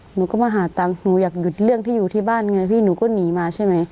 หนูก็มาหาตังค์หนูอยากหยุดเรื่องที่อยู่ที่บ้านไงพี่หนูก็หนีมาใช่ไหม